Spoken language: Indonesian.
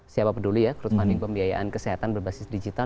siapa peduli ya crowdfunding pembiayaan kesehatan berbasis digital